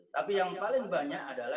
tapi yang paling banyak adalah